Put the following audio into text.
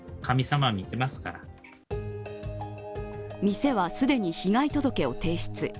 店は既に被害届を提出。